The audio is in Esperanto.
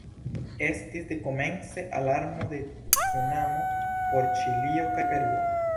Estis dekomence alarmo de cunamo por Ĉilio kaj Peruo.